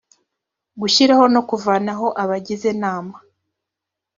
gushyiraho no kuvanaho abagize nama